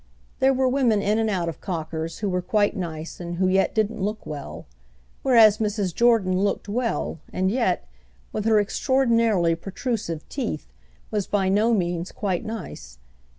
There were women in and out of Cocker's who were quite nice and who yet didn't look well; whereas Mrs. Jordan looked well and yet, with her extraordinarily protrusive teeth, was by no means quite nice.